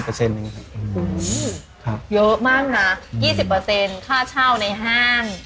๒๐ค่าเช่าในห้าง